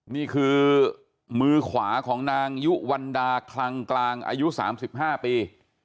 นี่คือมือขวาของนางยุวันดาคลังกลางอายุ๓๕ปี